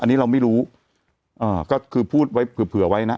อันนี้เราไม่รู้อ่าก็คือพูดไว้เผื่อเผื่อไว้นะ